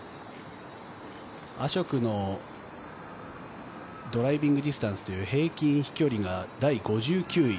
アショクのドライビングディスタンスという平均飛距離が第５９位。